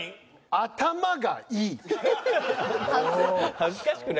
「頭がいい」。